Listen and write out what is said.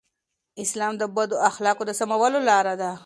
اسلام د بدو اخلاقو د سمولو لاره ده.